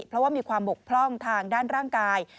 เพราะว่ามีความบกพร่องทางด้านร่างกาย